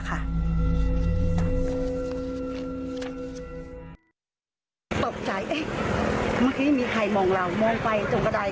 คนข่าวแม่แก่อะไรเราจ่ายแล้วมีคนที่รู้จักน้องพี่น้องพันธ์ถูกตาย